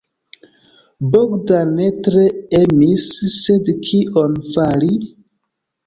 Bogdan ne tre emis, sed kion fari?